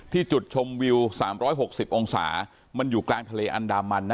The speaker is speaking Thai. ที่จุดชมวิวสามร้อยหกสิบองศามันอยู่กลางทะเลอันดามันนะ